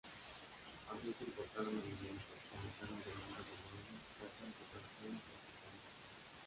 Así se importaron alimentos, aumentaron demandas de muebles, casas, decoraciones y artesanías.